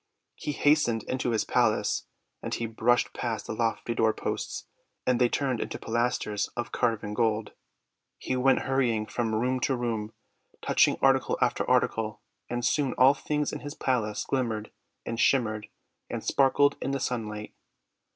He hastened into his palace; and as he brushed past the lofty door posts, they turned into pilasters of carven gold. He went hurrying from room to room, touching article after article; and soon all things in his palace glimmered, and shim mered, and sparkled in the sunlight.